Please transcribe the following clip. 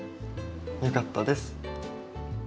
よかったです。